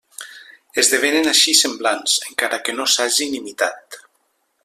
Esdevenen així semblants, encara que no s'hagin imitat.